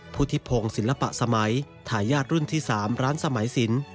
ภูทิภงศิลปสมัยถายาทรุ่นที่๓ร้านสมายศิลป์